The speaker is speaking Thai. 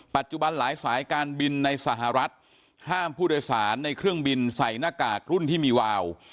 หลายสายการบินในสหรัฐห้ามผู้โดยสารในเครื่องบินใส่หน้ากากรุ่นที่มีวาว